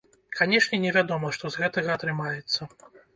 Канешне, невядома, што з гэтага атрымаецца.